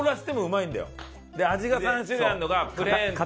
で味が３種類あるのがプレーンと。